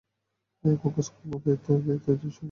কিন্তু এখন কাজকর্ম, দায় দায়িত্ব থেকে সময় পাই না।